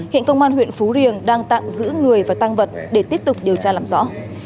hiện công an huyện phú riềng đang tạm giữ người và tăng vật để tiếp tục điều tra làm rõ